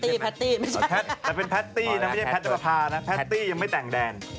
แต่เป็นแพทตี้ไม่ใช่แพทขาพาแพทตี้ยังไม่แต่งแดน